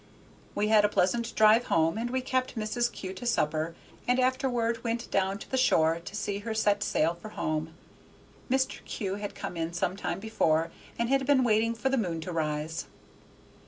We had a pleasant drive home, and we kept Mrs. Kew to supper, and afterward went down to the shore to see her set sail for home. Mr. Kew had come in some time before, and had been waiting for the moon to rise.